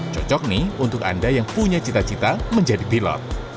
cocok nih untuk anda yang punya cita cita menjadi pilot